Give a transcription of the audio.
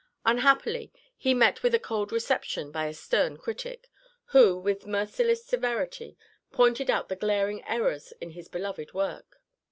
Unhappily, he met with a cold reception by a stern critic, who, with merciless severity, pointed out the glaring errors in his beloved work.